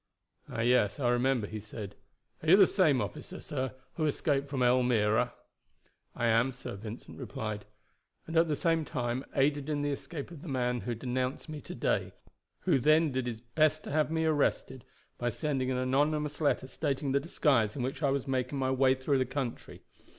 "Ah, yes, I remember," he said. "Are you the same officer, sir, who escaped from Elmira?" "I am, sir," Vincent replied; "and at the same time aided in the escape of the man who denounced me to day, and who then did his best to have me arrested by sending an anonymous letter stating the disguise in which I was making my way through the country.